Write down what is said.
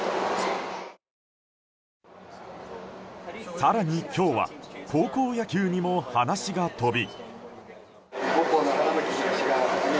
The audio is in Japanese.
更に、今日は高校野球にも話が飛び。